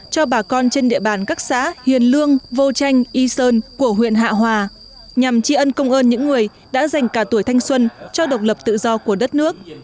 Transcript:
cho bà con trên địa bàn các xã hiền lương vô chanh y sơn của huyện hạ hòa nhằm tri ân công ơn những người đã dành cả tuổi thanh xuân cho độc lập tự do của đất nước